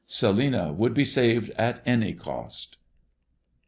Celinina should be saved at any cost.